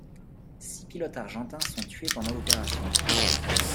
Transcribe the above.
Six pilotes argentins sont tués pendant l'opération.